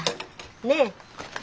ねえ？